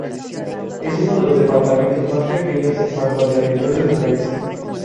Es unos de los departamentos más pequeños en cuanto a territorio del país.